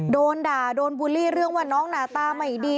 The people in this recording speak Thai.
โดนด่าโดนบูลลี่เรื่องว่าน้องหน้าตาไม่ดี